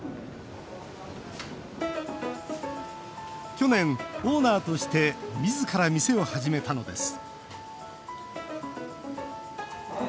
去年、オーナーとしてみずから店を始めたのです